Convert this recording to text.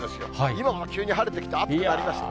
今は急に晴れてきて、暑くなりました。